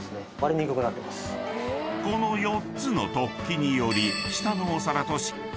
［この４つの突起により］